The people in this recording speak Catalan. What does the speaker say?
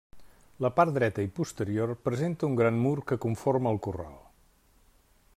La part dreta i posterior presenta un gran mur que conforma el corral.